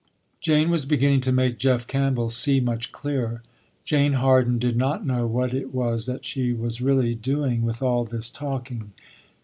Jane was beginning to make Jeff Campbell see much clearer. Jane Harden did not know what it was that she was really doing with all this talking.